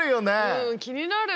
うん気になる。